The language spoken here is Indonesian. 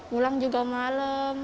pulang juga malem